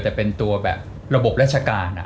แต่เป็นตัวแบบระบบราชการ